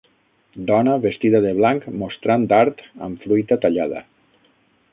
Dona vestida de blanc mostrant art amb fruita tallada.